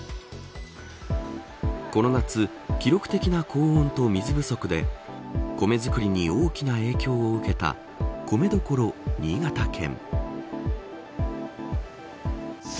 この夏、記録的な高温と水不足でコメ作りに大きな影響を受けたコメどころ新潟県。